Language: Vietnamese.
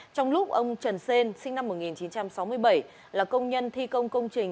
trong lúc ông trần sên sinh năm một nghìn chín trăm sáu mươi bảy là công nhân thi công công trình